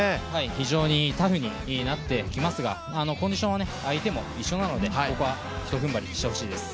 非常にタフになってきますがコンディションは相手も一緒なので、ここはひと踏ん張りしてほしいです。